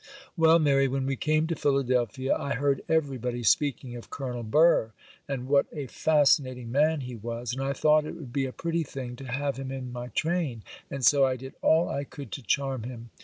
'Well, Mary, when we came to Philadelphia I heard everybody speaking of Colonel Burr—and what a fascinating man he was, and I thought it would be a pretty thing to have him in my train—and so I did all I could to charm him.